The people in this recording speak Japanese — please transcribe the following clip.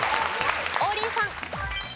王林さん。